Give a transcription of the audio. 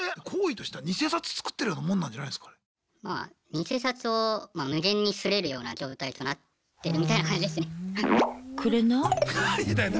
偽札を無限に刷れるような状態となってるみたいな感じですね。